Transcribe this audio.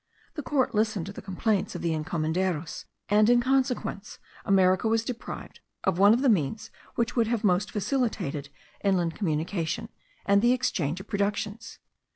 The court listened to the complaints of the encomenderos; and in consequence America was deprived of one of the means which would have most facilitated inland communication, and the exchange of productions.